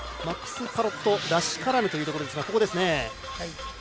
マックス・パロットらしからぬというところですが。